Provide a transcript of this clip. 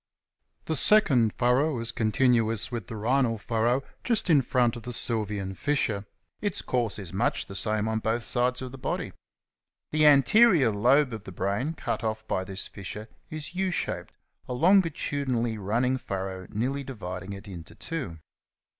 The second furrow is continuous with the rhinal furrow just in front of the Sylvian fissure ; its course is much the same on both The anterior lobe of the brain cut off bv this sides of the body. fissure is U shaped, a longitudinally running furrow nearly dividing it into two.